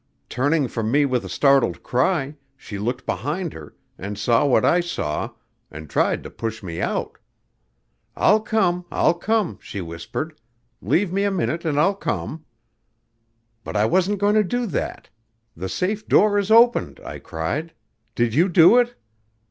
Turning from me with a startled cry, she looked behind her, and saw what I saw, and tried to push me out. 'I'll come, I'll come,' she whispered. 'Leave me a minute and I'll come.' "But I wasn't going to do that. 'The safe door is opened,' I cried. 'Did you do it?'